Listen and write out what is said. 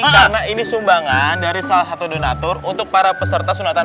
karena ini sumbangan dari salah satu donatur untuk para peserta sunatan